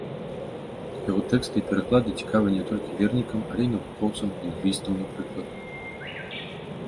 Яго тэксты і пераклады цікавыя не толькі вернікам, але і навукоўцам, лінгвістам, напрыклад.